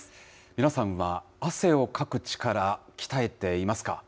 皆さんは汗をかく力、鍛えていますか。